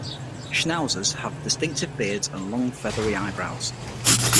Schnauzers have distinctive beards and long, feathery eyebrows.